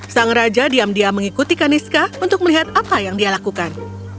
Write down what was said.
sang raja diam diam mengikuti kaniska untuk melihat apa yang dia lakukan